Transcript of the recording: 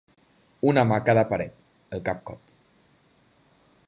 Una mà a cada paret, el cap cot.